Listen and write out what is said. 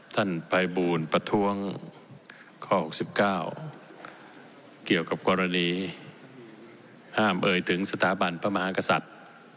ท่านภัยบูลประท้วงข้อ๖๙เกี่ยวกับกรณีห้ามเอ่ยถึงสถาบันพระมหากษัตริย์